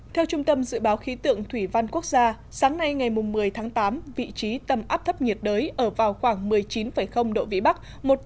theo trung tâm dự báo khí tượng thủy văn quốc gia sáng nay ngày một mươi tháng tám vị trí tâm áp thấp nhiệt đới ở vào khoảng một mươi chín độ vĩ bắc